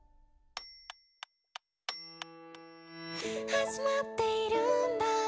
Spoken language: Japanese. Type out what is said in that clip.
「始まっているんだ